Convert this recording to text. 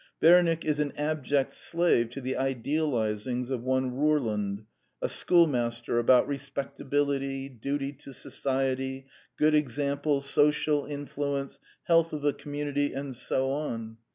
Bernick is an abject slave to the idealizings of one Ror lund, a schoolmaster, about respectability, duty to society, good example, social influence, health of the community, and so on.